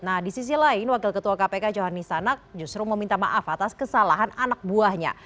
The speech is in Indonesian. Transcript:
nah di sisi lain wakil ketua kpk johan nisanak justru meminta maaf atas kesalahan anak buahnya